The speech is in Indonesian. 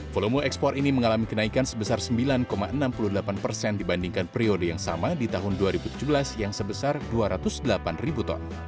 volume ekspor ini mengalami kenaikan sebesar sembilan enam puluh delapan persen dibandingkan periode yang sama di tahun dua ribu tujuh belas yang sebesar dua ratus delapan ribu ton